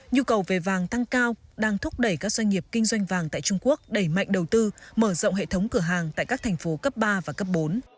nhu cầu về vàng tăng cao đang thúc đẩy các doanh nghiệp kinh doanh vàng tại trung quốc đẩy mạnh đầu tư mở rộng hệ thống cửa hàng tại các thành phố cấp ba và cấp bốn